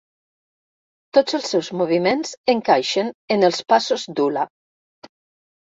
Tots els seus moviments encaixen en els passos d'hula.